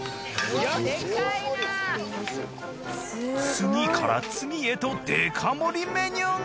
次から次へとデカ盛りメニューが！